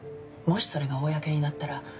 もしそれが公になったら。